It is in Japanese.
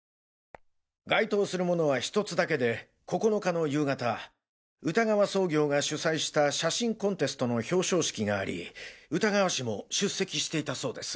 該当するものは１つだけで９日の夕方歌川総業が主催した写真コンテストの表彰式があり歌川氏も出席していたそうです。